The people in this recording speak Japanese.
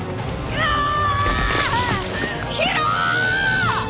うわああ。